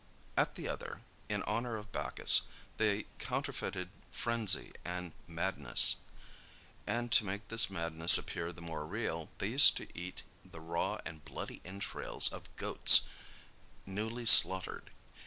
At the other, in honor of Bacchus, they counterfeited phrenzy and madness; and to make this madness appear the more real, they used to eat the raw and bloody entrails of goats newly slaughtered.